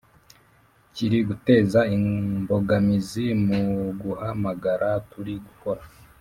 Kiri gutera imbogamizi muguhamagara turi gukora